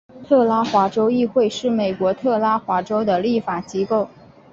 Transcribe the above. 特拉华州议会是美国特拉华州的立法机构。